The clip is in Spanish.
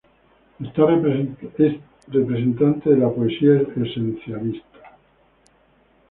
Es representante de la poesía esencialista.